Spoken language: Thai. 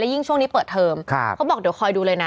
ยิ่งช่วงนี้เปิดเทอมเขาบอกเดี๋ยวคอยดูเลยนะ